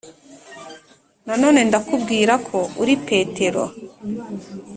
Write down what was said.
Nanone ndakubwira ko uri Petero